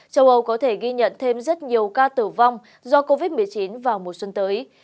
châu âu có thể ghi nhận thêm rất nhiều ca tử vong do covid một mươi chín vào mùa xuân tới